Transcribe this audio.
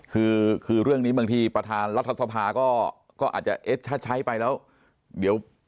คือเรื่องนี้บางทีประธานรัฐสภาก็อาจจะเอ็ดชัดใช้ไปแล้ว